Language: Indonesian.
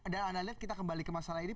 dan anda lihat kita kembali ke masalah ini